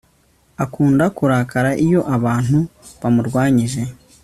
Akunda kurakara iyo abantu bamurwanyije